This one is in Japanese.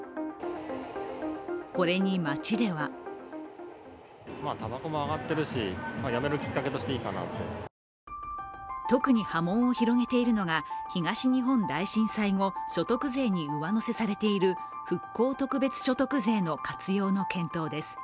これに、街では特に波紋を広げているのが東日本大震災後所得税に上乗せされている復興特別所得税の活用の検討です。